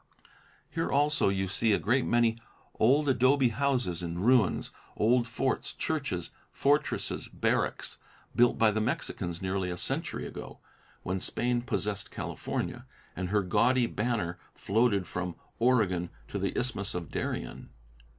Here also you see a great many old adobe houses in ruins, old forts, churches, fortresses, barracks, built by the Mexicans nearly a century ago, when Spain possessed California, and her gaudy banner floated from Oregon to the Isthmus of Darien.